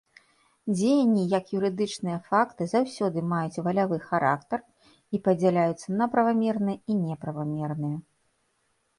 Дзеянні як юрыдычныя факты заўсёды маюць валявы характар і падзяляюцца на правамерныя і неправамерныя.